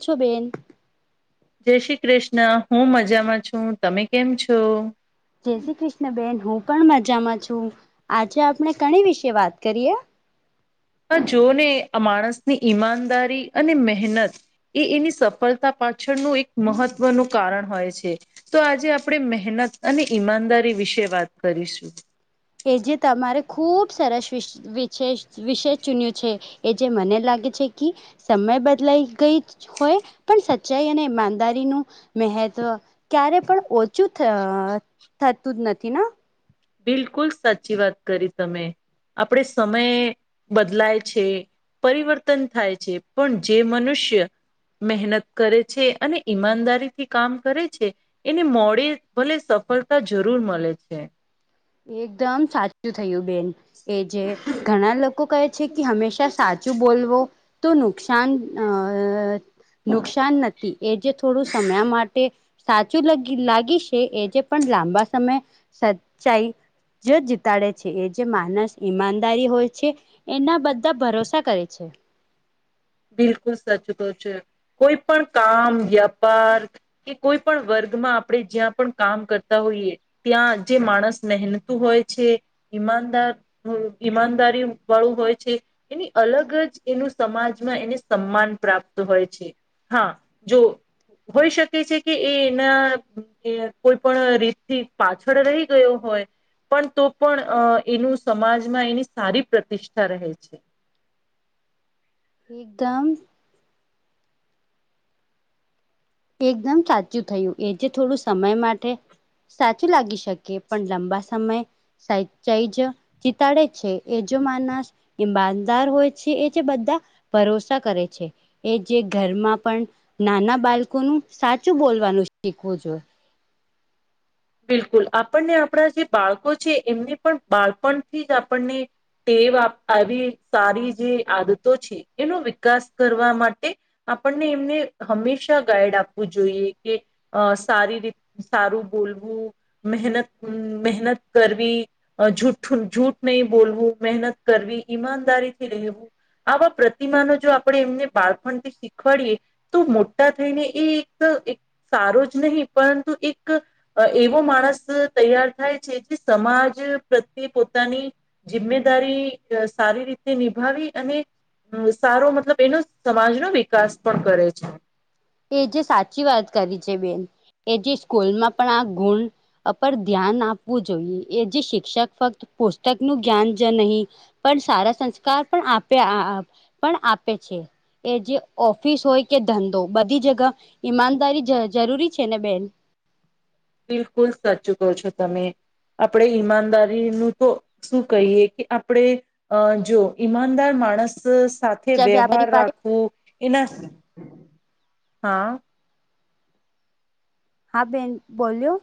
છો બેન- જય શ્રી કૃષ્ણ હું મજામાં છું તમે કેમ છો? જય શ્રી કૃષ્ણ બેેન હું પણ મજામાં છું. આજે આપણે કણી વિશે વાત કરીએ. આ જોને આ માણસની ઈમાનદારી અને મહેનત એ એની સફળતા પાછળનું એક મહત્વનું કારણ હોય છે. તો આજે આપણેે મહેનત અને ઈમાનદારી વિશે વાત કરીશું. કે જે તમારે ખુબ સરસ વિ વિશેષ વિષય ચૂન્યો છે. એ જે મને લાગે છે કે સમય બદલાઈ ગઈ હોય પણ સચ્ચાઈ અને ઈમાનદારીનું મહત્વ ક્યારે પણ ઓછું થઅ થતું જ નથી ન. બિલકુલ સાચી વાત કરી તમે આપડે સમય બદલાય છે. પરિવર્તન થાય છે. પણ જે મનુષ્ય મહેનત કરે છે. અને ઈમાનદારીથી કામ કરે છે એને મોડે ભલે સફળતા જરૂર મળે છે. એકદમ સાચું થયું બેન. એ જે ઘણા લોકો કહે છે કે હંમેશા સાચું બોલવો તો નુકસાન અ નુકસાન નથી એ જે થોડું સમય માટે સાચું લગી લાગીશ એ એ જે પણ લાંબા સમય સચ્ચાઈ જો જીતાડે છે એ જે માનસ ઈમાનદારી હોય છે. એના બધા ભરોસા કરે છે. બિલકુલ સાચું કહો છો કોઈ પણ કામ, વ્યાપાર કે કોઈ પણ વર્ગમાં આપણે જ્યાં પણ કામ કરતા હોઈએ ત્યાં જે માણસ મહેનતું હોય છે. ઈમાનદાર ઈમાનદારી વાળું હોય છે. એની અલગ જ એનું સમાજ એને સમાન પ્રાપ્ત હોય છે. હા જો હોઈ શકે છે કે એના એ કોઈ પણ રીતથી પાછળ રહી ગયો હોય પણ તો પણ અ એનું સમાજમાં એની સારી પ્રતિષ્ઠા રહે છે. એકદમ એકદમ સાચું થયું એ જે થોડું સમય માટે સાચું લાગી શકે પણ લાંબા સમય [unintelligible] જીતાડે જ છે એ જો માનસ ઈમાનદાર હોય છે એ જે બધા ભરોસા કરે છે. એ જે ઘરમાં પણ નાના બાળકોનું સાચું બોલવાનું શીખવું જોઈએ. બિલકુલ આપણને આપણા જે બાળકો છે એમને પણ બાળપણથી જ આપણને ટે આવી સારી જે આદતો છે એનો વિકાસ કરવા માટે આપણને એમને હંમેશા ગાઈડ આપવું જોઈએ કે અ સારી રીત સારું બોલવું મહેનત મહેનત કરવી ઝુઠું ઝુઠ નહીં બોલવું મહેનત કરવી ઈમાનદારી થી રહેવું. આવા પ્રતિમાનો જો આપણે એમને બાળપણથી શીખવાડીએ તો મોટા થઈને એક એક સારો જ નહીં પરંતુ એક એવો માણસ તૈયાર થાય છે કે સમાજ પ્રત્યે પોતાની જિમ્મેદારી સારી રીતે નિભાવી અને અ સારો મતલબ એનો સમાજ નો વિકાસ પણ કરે છે. એ જે સાચી વાત કરી છે બેન. એ જે સ્કૂલમાં પણ આ ગુણ અરપ ધ્યાન આપવું જોઈએ એ જે શિક્ષક ફક્ત પુસ્તકનું જ્ઞાન જ નહીં પણ સારા સંસ્કાર પણ આપે આ અ પણ આપે છે. એ જે ઓફિસ હોય કે ધંધો બધી જગ ઈમાનદારી જરૂરી છે ને બેન? બિલકુલ સાચ્ચું કોવ છો તમે. આપણે ઈમાનદારીનું તો શું કહીએ કે આપણે અ જો ઈમાનદાર માણસ સાથે વ્યવહાર વ્યાપારી પાસે રાખવું એના અ હા બેન બોલ્યો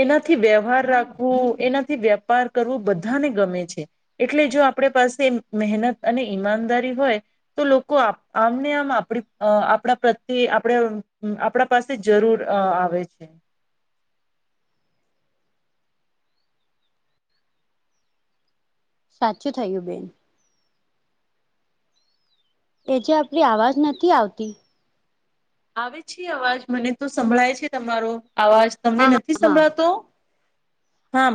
એનાથી વ્યવહાર રાખવું એનાથી વેપાર કરવું બધાને ગમે છે એટલે જો આપણે પાસે મહેનત અને ઈમાનદારી હોય તો લોકો આમને આમ આપણી આપણા પ્રત્યે આપણે આપણા [unintelligible] પાસે જરૂર આવે છે સાચું થયું બેન એ જે આપડી અવાજ નથી આવતી આવે છે અવાજ મને તો સંભળાય છે તમારો અવાજ તમને હા નથી હા સંભળાતો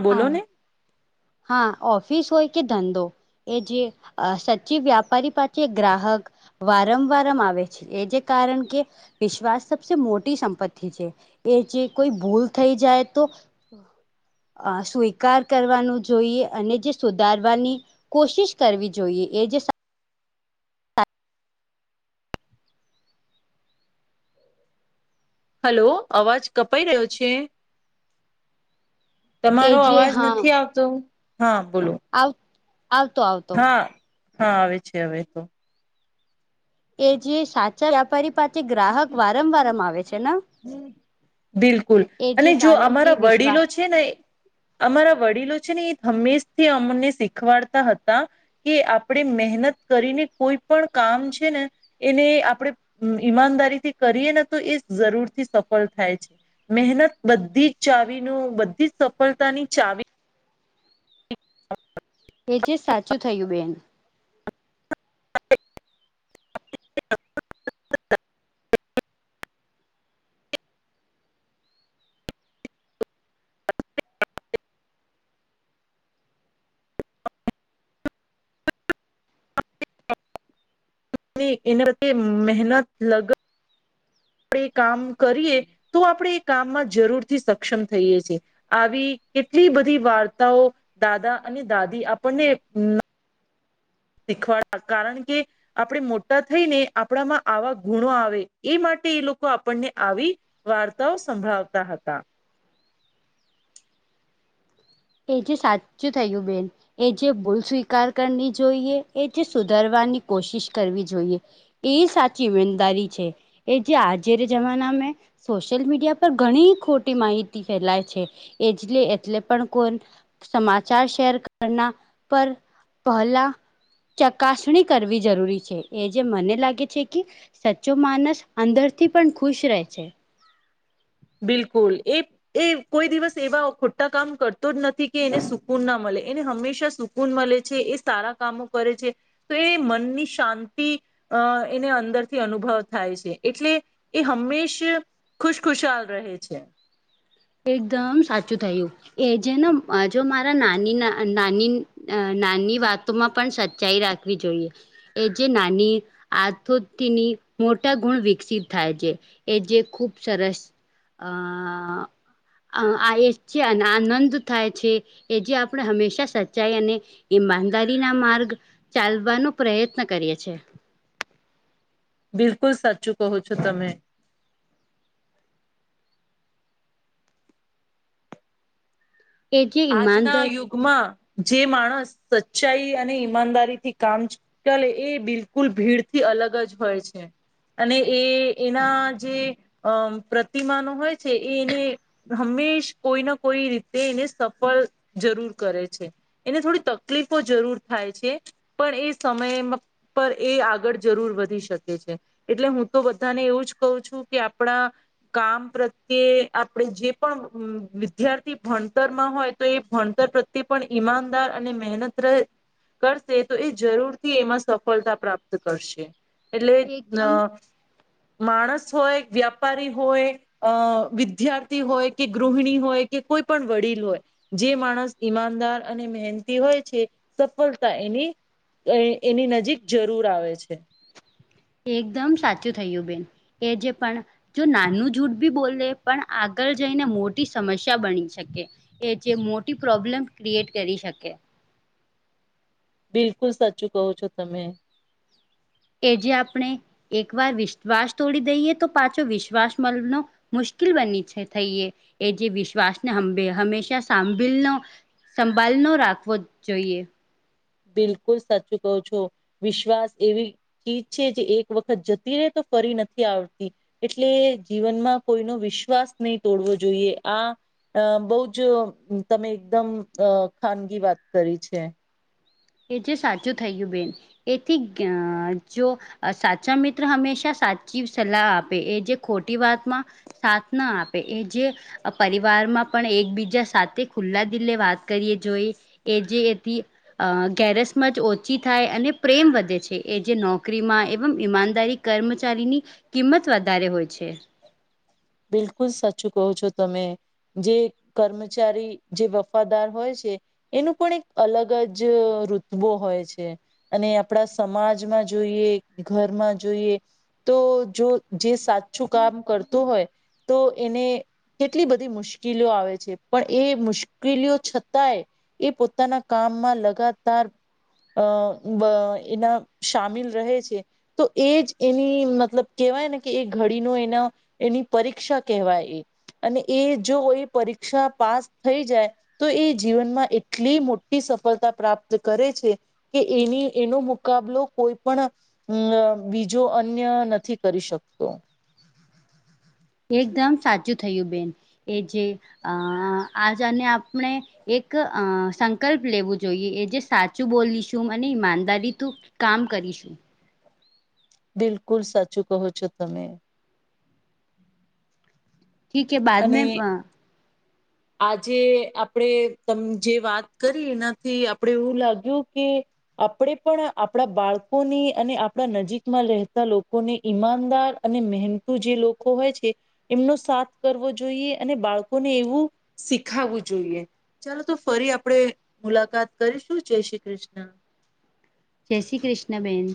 બોલો હા ને હા ઓફિસ હોય કે ધંધો એ જે સચીિવ વ્યાપારી પાસેી ગ્રાહક વારં વારં આવે છે એ જે કારણ કે વિશ્વાસ સબસે મોટી સંપત્તિ છે એ જે કોઈ ભૂલ થઈ જાય તો અ સ્વીકાર કરવાનું જોઈએ અને જે સુધારવાની કોશિશ કરવી જોઈએ એ જે હલો અવાજ કપાઈ રહ્યો છે એ તમારો જે અવાજ હા નથી આવતો હા બોલો આવ આવતો આવ હા હા આવે છે હવે તો એ જે સાચા વ્યાપારી પાસે ગ્રાહક વારંવારમ આવે છે ને બિલકુલ એ અને જે જો કારણ કે અમારા વડીલો વિશ્વાસ છે ને અમારા વડીલો છે ને એ હંમેશથી અમને શીખવાડતા હતા કે આપણે મહેનત કરીને કોઈ પણ કામ છે ને એને આપણે ઈમાનદારી થી કરીએ ને તો એ જરૂર સફળ થાય છે મહેનત બધી ચાવીનું બધી જ સફળતાની ચાવી એ જે સાચું થયું બેન [unintelligible] એના પ્ર મહેનત લગ આપણે કામ કરીએ તો આપણે એ કામમાં જરૂરથી સક્ષમ થઈએ છીએ આવી કેટલી બધી વાર્તાઓ દાદા અને દાદી આપણને શીખવા કારણ કે આપણે મોટા થઈ ને આપણામાં આવા ગુણો આવે એ માટે એ લોકો આપણને આવી વાર્તાઓ સંભળાવતા હતા એ જે સાચું થયું બેન એ જે ભૂલ સ્વીકાર કરની જોઈએ એ જે સુધારવાની કોશિશ કરવી જોઈએ એ સાચી ઈમેનદારી છે એ જે આજે જમાને મે સોશિયલ મીડિયા પર ઘણી ખોટી માહિતી ફેલાય છે એજ એટલે પણ કો સમાચાર શેર કરના પર પહેલા ચકાસણી કરવી જરૂરી છે એ જે મને લાગે છે કે સાચ્ચો માનસ અંદરથી પણ ખુશ રહે છે બિલકુલ એ એ કોઈ દિવસ એવા ખોટા કામ કરતો જ નથી કે એને સુકૂન ના મળે એને હંમેશા સુ ગુણ મળે છે એ સારા કામો કરે છે તો એ મનની શાંતિ અ એને અંદરથી અનુભવ થાય છે એટલે એ હંમેશ ખુશખુશાલ રહે છે એકદમ સાચું થયું એ જેને જો મારા નાની નાની નાની વાતોમાં પણ સચ્ચાઈ રાખે આપવી જોઈએ એ જે નાની આથોની મોટા ગુણ વિકસિત થાય છે એ જે ખૂબ સરસ અ. આ એ છે અને આનંદ થાય છે એ જે આપણે હંમેશા સચ્ચાઈ અને. ઈમાદારી ના માર્ગ ચાલવાનો પ્રયત્ન કરે છે. બિલકુલ સાચું કહો છો તમે. એ જે આજના ઈમાનદાર યુગમાં જે માણસ સચ્ચાઈ અને ઈમાનદારીથી કામ. ચલે એ બિલકુલ ભીડથી અલગ જ હોય છે. અને એ એના જે અ પ્રતિમાનો હોય છે એ એને. હંમેશ કોઈ ના કોઈ રીતે એને સ. જરૂર કરે છે એને થોડી તકલીફો જરૂર થાય છે. પણ એ સમય પર એ આગળ જરૂર વધી શકે છે. એટલે હું તો બધાને એવું જ કહું છું કે આપણા. કામ પ્રત્યે આપડે જે પણ વિદ્યાર્થી ભણતર માં હોય. તો એ ભણતર પ્રત્યે પણ ઈમાનદાર અને મહેનત રહે. કરશે તો એ જરૂર થી એમાં સફળતા પ્રાપ્ત કરશે. એટલે અ એકદમ માણસ હોય વ્યાપારી હોય. અ વિદ્યાર્થી હોય કે ગૃહિણી હોય કે કોઈ પણ વડીલ હોય. જે માણસ ઈમાનદાર અને મહેનતી હોય છે સફળતા એની. એની નજીક જરૂર આવે છે. એકદમ સાચું થયું બેન એ જે પણ. જો નાનું જૂઠ બી બોલે પણ આગળ જઈને મોટી સમસ્યા બની શકે. એ જે મોટી પ્રોબ્લેમ ક્રિએટ કરી શકે. બિલકુલ સાચું કહો છો તમે. કે જે આપણે એક વાર વિશ્વાસ તોડી દઈએ તો પાછો વિશ્વાસ મલનો. મુશ્કેલ બની છે થઈએ એ જે વિશ્વાસને હંભે હંમેશા સાંભીલનો. સંભળનો રાખવો જોઈએ. બિલકુલ સાચું કહો છો વિશ્વાસ એવી. ચીજ છે જે એક વખત જતી રહે તો ફરી નથી આવતી. એટલે જીવનમાં કોઈનો વિશ્વાસ નહી તોડવો જોઈએ આ. અ બહ જ તમે એકદમ ખાનગી વાત કરી છે. એ જે સાચું થયું બેન એથી જો. સાચા મિત્ર હંમેશા સાચી સલાહ આપે એ જે ખોટી વાતમાં. સાથના આપે એ જે. પરિવારમાં પણ એકબીજા સાથે ખુલ્લા દિલે વાત કરીએ જોઈ. એ જે એ હતી. અ ગેરસમજ ઓછી થાય અને પ્રેમ વધે છે એ જે નોકરીમાં એવમ ઈમાનદારી. કર્મચારીની કિંમત વધારે હોય છે. બિલકુલ સાચું કહો છો તમે. જે કર્મચારી જે વફાદાર હોય છે. એનું પણ એક અલગ જ ઋતવો હોય છે. અને આપણા સમાજમાં જોઈએ ઘરમાં જોઈએ. તો જો જે સાચું કામ કરતું હોય તો એને. કેટલી બધી મુશ્કેલીઓ આવે છે પણ એ મુશ્કેલીઓ છતાંય. એ પોતાના કામમાં લગાતાર. અ એના સામેલ રહે છે. તો એ જ એની મતલબ કેહેવાય ને કે એ ઘડીનો એના એની. પરીક્ષા કહેવાય એ અને એ જો એ પરીક્ષા પાસ થઈ જાય. તો એ જીવનમાં એટલી મોટી સફળતા પ્રાપ્ત કરે છે. કે એની એનો મુકાબલો કોઈ પણ. અમ બીજો અન્ય નથી કરી શકતો. એકદમ સાચું થયું બેન એ જે આજને આપણે. એક અ સંકલ્પ લેવું જોઈએ એ જે સાચું બોલીશું અને ઈમાનદારી તું કામ કરીશું બિલકુલ સાચું કહો છો તમે ઠીક હ બાદ અને મે અ આજે આપડે તમ જે વાત કરી એનાથી આપણેે એવું લાગ્યું કે આપણે પણ આપણા બાળકોની અને આપણા નજીકમાં રહેતા લોકોને ઈમાનદાર અને મહેનતુ જે લોકો હોય છે એમનો સાથ કરવો જોઈએ અને બાળકોને એવું શીખાવવું જોઈએ ચાલો તો ફરી આપડણે મુલાકાત કરીશું જય શ્રી કૃષ્ણ જય શ્રી કૃષ્ણબેન